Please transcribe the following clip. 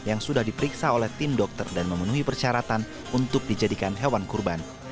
yang sudah diperiksa oleh tim dokter dan memenuhi persyaratan untuk dijadikan hewan kurban